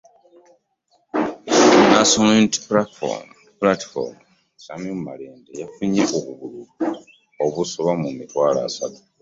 Owa National Unity Platform, Shamim Malende yafunye obululu obusoba mu mitwalo asatu